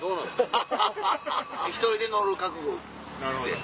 １人で乗る覚悟して。